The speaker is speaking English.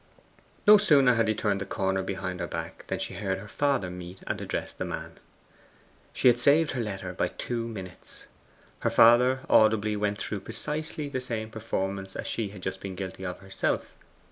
No sooner had he turned the corner behind her back than she heard her father meet and address the man. She had saved her letter by two minutes. Her father audibly went through precisely the same performance as she had just been guilty of herself.